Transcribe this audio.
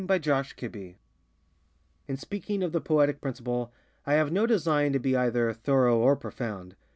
THE POETIC PRINCIPLE In speaking of the Poetic Principle, I have no design to be either thorough or profound.